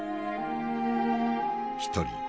一人。